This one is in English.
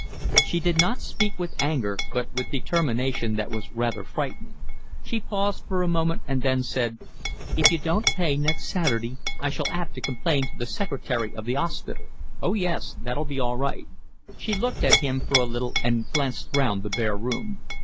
She did not speak with anger, but with determination that was rather frightening. She paused for a moment and then said: "If you don't pay next Saturday, I shall 'ave to complain to the secretary of the 'ospital." "Oh yes, that'll be all right." She looked at him for a little and glanced round the bare room.